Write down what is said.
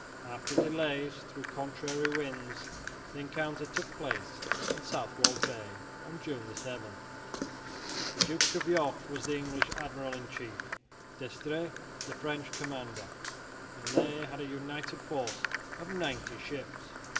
After delays through contrary winds the encounter took place in Southwold Bay on June 7. The Duke of York was the English admiral in chief, D'Estrées the French commander, and they had a united force of ninety ships.